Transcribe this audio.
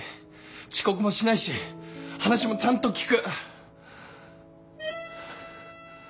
遅刻もしないし話もちゃんと聞く。